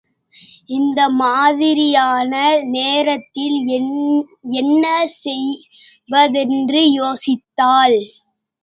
இந்த மாதிரியான நேரத்தில் என்ன செய்வதென்று யோசித்தாள்.